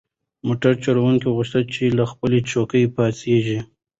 موټر چلونکي غوښتل چې له خپلې چوکۍ پاڅیږي.